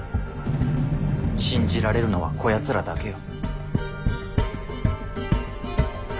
信じられるのはこやつらだけよ。